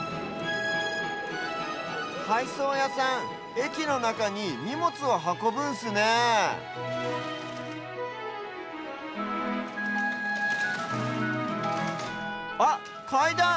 はいそうやさんえきのなかににもつをはこぶんすねえあっかいだん！